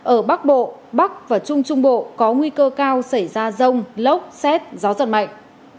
ở bắc bộ bắc và trung trung bộ có nguy cơ cao xảy ra rông lốc xét gió giật mạnh